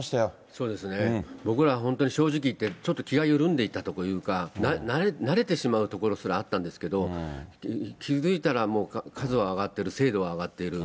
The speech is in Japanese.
そうですね、僕ら、正直言って、ちょっと気が緩んでいたというか、慣れてしまうところすらあったんですけど、気付いたら、もう数は上がってる、精度は上がっている、